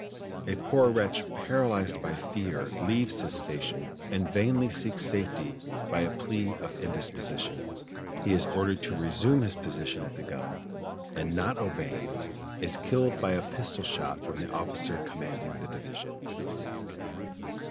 A poor wretch paralyzed by fear leaves his station and vainly seeks safety by a plea of indisposition; he is ordered to resume his position at the gun, and not obeying, is killed by a pistol shot from the officer commanding the division.